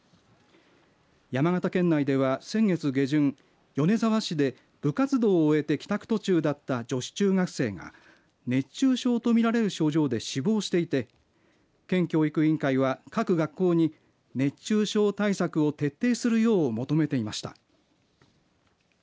山形県内では先月下旬米沢市で部活動を終えて帰宅途中だった女子中学生が熱中症と見られる症状で死亡していて県教育委員会は各学校に熱中症対策を徹底するよう求めていました。